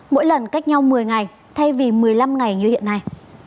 mỗi lần cách nhau một mươi ngày thay vì một mươi năm ngày như hiện nay